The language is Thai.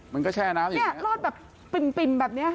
มันก็แช่น้ำอยู่เนี้ยเนี้ยรอดแบบปิ่มปิ่มแบบเนี้ยฮะ